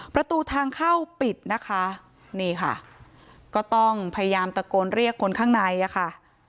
ประตูทางเข้าปิดนะคะนี่ค่ะก็ต้องพยายามตะโกนเรียกคนข้างในอะค่ะ